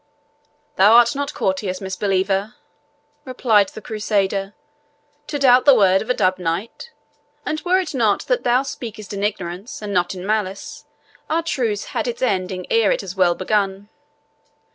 "Thou art not courteous, misbeliever," replied the Crusader, "to doubt the word of a dubbed knight; and were it not that thou speakest in ignorance, and not in malice, our truce had its ending ere it is well begun.